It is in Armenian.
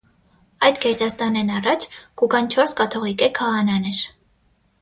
Այս գերդաստանէն յառաջ կու գան չորս կաթողիկէ քահանաներ։